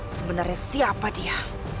sebenarnya siapa dia